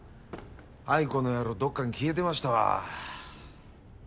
藍子の野郎どっかに消えてましたわ。